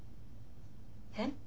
えっ？